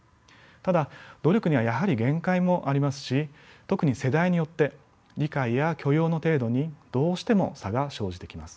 ただ努力にはやはり限界もありますし特に世代によって理解や許容の程度にどうしても差が生じてきます。